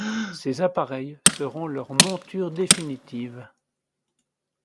Ces appareils seront leurs montures définitives.